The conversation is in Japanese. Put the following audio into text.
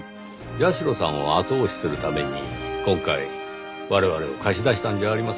社さんを後押しするために今回我々を貸し出したんじゃありませんか？